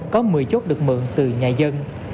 có một mươi chốt được mượn từ nhà dân